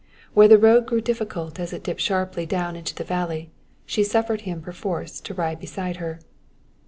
Where the road grew difficult as it dipped sharply down into the valley she suffered him perforce to ride beside her.